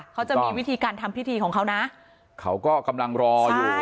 เขาจะมีวิธีการทำพิธีของเขานะเขาก็กำลังรออยู่